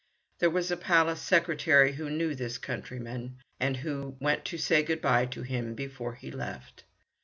There was a palace secretary who knew this countryman, and who went to say good bye to him before he left.